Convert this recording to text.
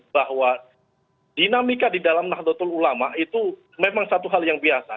bahwa dinamika di dalam nahdlatul ulama itu memang satu hal yang biasa